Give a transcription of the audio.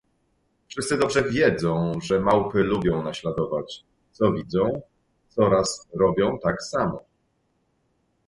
"Wszyscy dobrze wiedzą, że małpy lubią naśladować: co widzą, coraz robią tak samo."